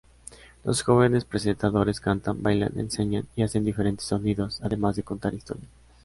Los jóvenes presentadores cantan, bailan, enseñan y hacen diferentes sonidos, además de contar historias.